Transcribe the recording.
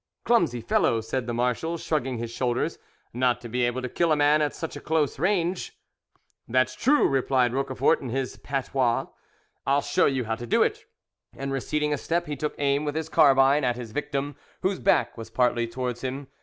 "Clumsy fellow!" said the marshal, shrugging his shoulders, "not to be able to kill a man at such close range." "That's true," replied Roquefort in his patois. "I'll show you how to do it"; and, receding a step, he took aim with his carbine at his victim, whose back was partly towards him.